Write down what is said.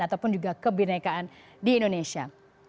atau juga kebenekaan di indonesia